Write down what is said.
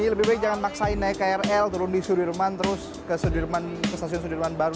lebih baik jangan maksain naik krl turun di sudirman terus ke stasiun sudirman baru